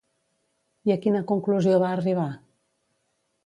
I a quina conclusió va arribar?